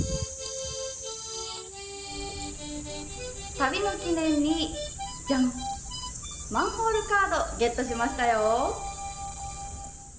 旅の記念にマンホールカードゲットしましたよ！